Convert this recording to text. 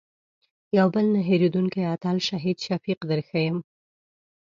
یو بل نه هېرېدونکی اتل شهید شفیق در ښیم.